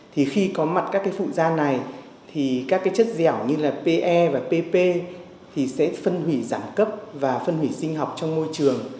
thì khi có mặt các cái phụ da này thì các cái chất dẻo như là pe và pp thì sẽ phân hủy giảm cấp và phân hủy sinh học trong môi trường